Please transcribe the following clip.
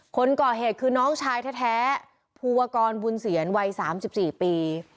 คนก่อเหตุคือน้องชายแท้ภูวกรบุญเสียรวัย๓๔ปี